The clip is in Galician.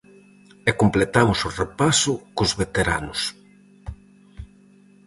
E completamos o repaso cos veteranos.